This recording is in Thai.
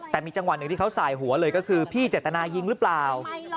แต่มีจังหวะหนึ่งที่เขาสายหัวเลยก็คือพี่เจตนายิงหรือเปล่า